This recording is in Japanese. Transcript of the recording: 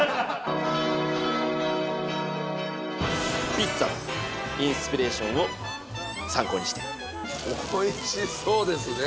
ピッツァのインスピレーションを参考にしておいしそうですね